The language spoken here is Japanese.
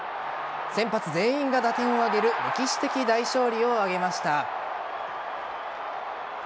先発全員が打点を挙げる歴史的大勝利を挙げました。